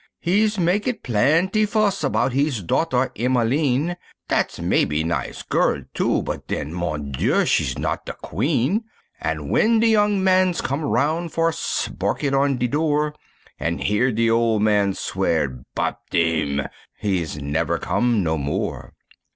He's mak' it plaintee fuss about hees daughter Emmeline, Dat's mebby nice girl, too, but den, Mon Dieu, she's not de queen! An' w'en de young man's come aroun' for spark it on de door, An' hear de ole man swear "Bapteme!" he's never come no more.